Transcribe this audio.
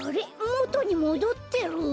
もとにもどってる？